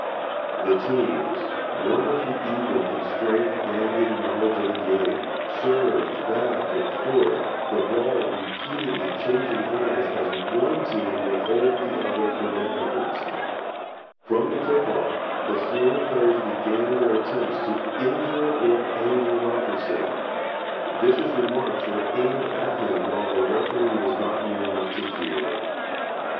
The teams, wonderfully even in strength and in knowledge of the game, surged back and forth, the ball repeatedly changing hands as one team would hold the other for downs. From the kick off, the Sloan players began their attempts to injure or anger Robertson. Vicious remarks were aimed at him while the referee was not near enough to hear.